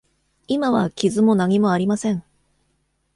今は傷も何もありません。